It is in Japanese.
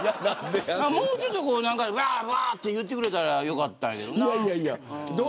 もうちょっとわーわーって言ってくれたらよかったんだけど。